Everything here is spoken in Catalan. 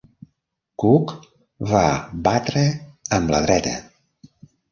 Cook va batre amb la dreta.